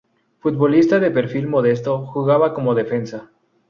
Futbolista de perfil modesto, jugaba como defensa.